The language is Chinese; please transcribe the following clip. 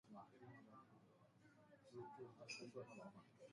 我今天早上吃了一个鸡蛋。